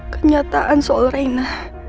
kenyataan soal reina